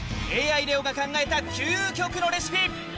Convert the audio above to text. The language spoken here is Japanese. ＡＩレオが考えた究極のレシピ。